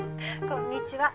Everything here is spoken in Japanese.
こんにちは。